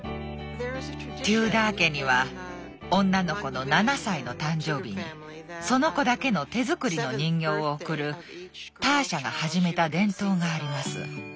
テューダー家には女の子の７歳の誕生日にその子だけの手作りの人形を贈るターシャが始めた伝統があります。